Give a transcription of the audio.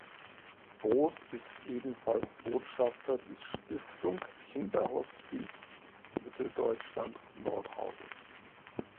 Bos ist ebenfalls Botschafter des Stiftung Kinderhospiz Mitteldeutschland Nordhausen.